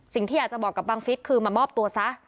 สิ่งที่อยากจะบอกกับบังฟิศคือมามอบตัวซะ